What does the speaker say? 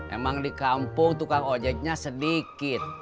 emang di kampung tukang ojeknya sedikit